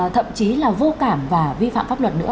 thậm chí là vô cảm và vi phạm pháp luật nữa